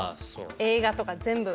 映画とか全部。